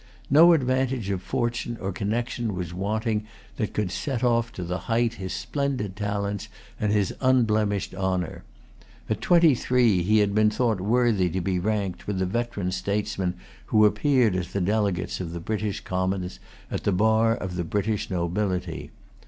No advantage of fortune or connection was wanting that could set off to the height his splendid talents and his unblemished honor. At twenty three he had been thought worthy to be ranked with the veteran statesmen who appeared as the delegates of the British Commons, at the bar of the British nobility.